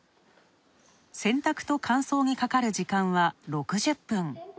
洗濯と乾燥にかかる時間は６０分。